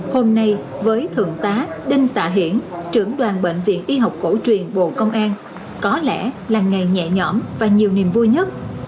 hôm nay với thượng tá đinh tạ hiển trưởng đoàn bệnh viện y học cổ truyền bộ công an có lẽ là ngày nhẹ nhõm và nhiều niềm vui nhất